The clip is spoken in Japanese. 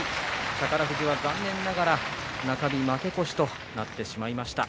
宝富士は残念ながら中日負け越しとなってしまいました。